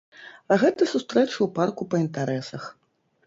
А гэта сустрэча ў парку па інтарэсах.